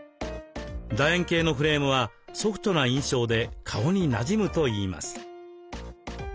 楕円形のフレームはソフトな印象で顔になじむといいます。